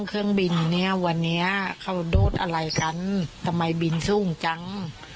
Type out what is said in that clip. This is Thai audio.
เครื่องบินเนี่ยวันนี้เขาโดดอะไรกันทำไมบินสูงจัง